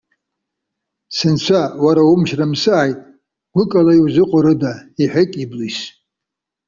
Сынцәа, уара умчра мсааит! Гәык ала иузыҟоу рыда,- иҳәеит Иблис.